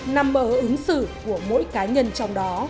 nằm bờ ứng xử của mỗi cá nhân trong đó